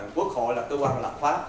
quốc hội là cơ quan lạc pháp